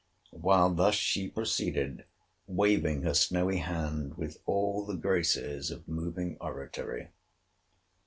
while thus she proceeded, waving her snowy hand, with all the graces of moving oratory.